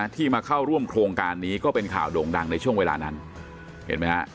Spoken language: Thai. ที่มาเข้าร่วมโครงการนี้ก็เป็นข่าวโด่งดังในช่วงเวลานั้นเห็นไหมฮะ